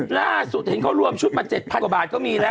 ล่าสุดเห็นเขารวมชุดมา๗๐๐กว่าบาทก็มีแล้ว